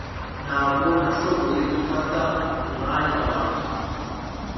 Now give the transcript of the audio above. Ntabwo nashoboye gufata umwanya wawe